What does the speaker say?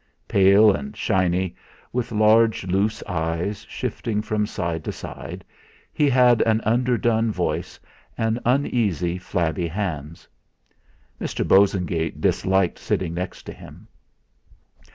Pale and shiny, with large loose eyes shifting from side to side, he had an underdone voice and uneasy flabby hands. Mr. Bosengate disliked sitting next to him.